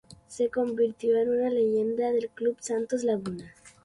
Se convirtió en una leyenda del Club Santos Laguna.